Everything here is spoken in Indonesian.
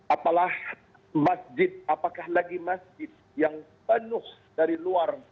apakah masjid apakah lagi masjid yang penuh dari luar